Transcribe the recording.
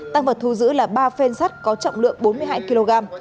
tăng vật thu giữ là ba phen sắt có trọng lượng